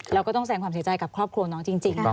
แล้วก็ต้องแสงความเสียใจกับครอบครัวน้องจริง